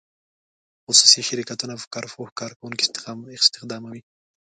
خصوصي شرکتونه په کار پوه کارکوونکي استخداموي.